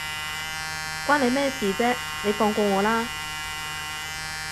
關你咩事啫，你放過我啦